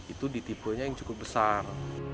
itu di tipenya yang cukup besar